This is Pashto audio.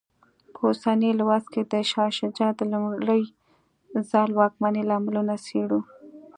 په اوسني لوست کې د شاه شجاع د لومړي ځل واکمنۍ لاملونه څېړو.